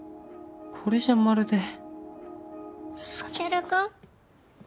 これじゃまるでカケル君？